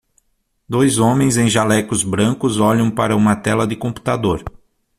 Dois homens em jalecos brancos olham para uma tela de computador